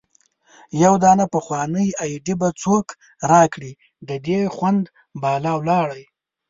يو دانه پخوانۍ ايډي به څوک را کړي د دې خوند بالا ولاړی